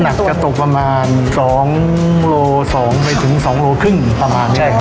หนักก็ตกประมาณสองโลสองไปถึงสองโลครึ่งประมาณแบบนี้